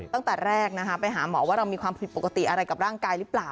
ตั้งแต่แรกนะคะไปหาหมอว่าเรามีความผิดปกติอะไรกับร่างกายหรือเปล่า